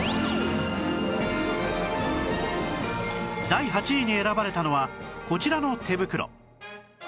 第８位に選ばれたのはこちらの手袋